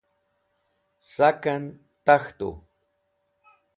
sak'en tak̃htu